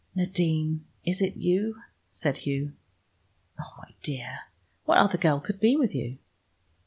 "Nadine, it is you?" said Hugh. "Oh, my dear! What other girl could be with you?"